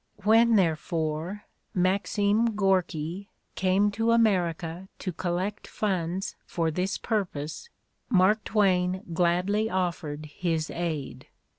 When, therefore, Maxim Gorky came to America to collect funds for this purpose, Mark Twain gladly offered his aid.